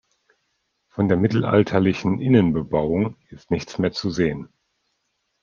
Von der mittelalterlichen Innenbebauung ist nichts mehr zu sehen.